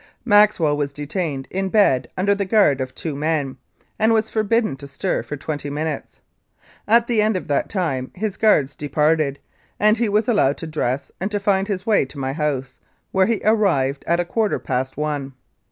Maxwell was detained in bed under the guard of two men, and was forbidden to stir for twenty minutes. At the end of that time his guards departed, and he was allowed to dress and to find his way to my house, where he arrived at a quarter past one.